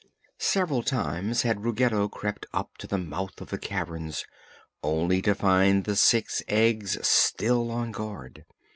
Several times had Ruggedo crept up to the mouth of the caverns, only to find the six eggs still on guard.